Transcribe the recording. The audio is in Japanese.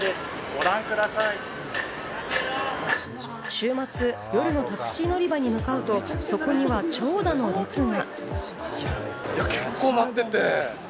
週末、夜のタクシー乗り場に向かうと、そこには長蛇の列が。